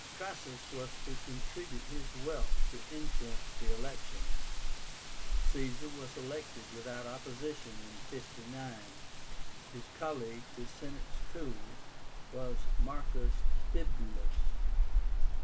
Crassus was to contribute his wealth to influence the election. Caesar was elected without opposition (59); his colleague, the Senate's tool, was Marcus Bibulus.